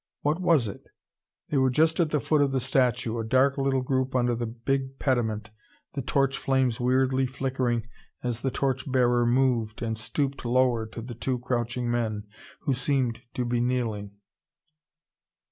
What was it? They were just at the foot of the statue, a dark little group under the big pediment, the torch flames weirdly flickering as the torch bearer moved and stooped lower to the two crouching men, who seemed to be kneeling.